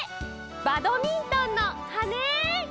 バドミントンのはね！